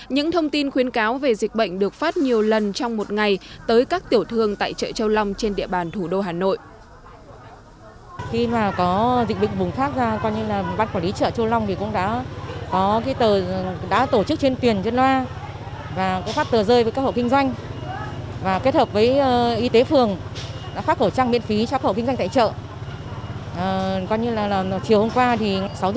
những thông tin khuyến cáo về dịch bệnh được phát nhiều lần trong một ngày tới các tiểu thương tại chợ châu long trên địa bàn thủ đô hà nội